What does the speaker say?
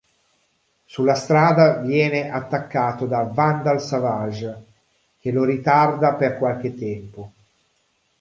Sulla strada viene attaccato da Vandal Savage, che lo ritarda per qualche tempo.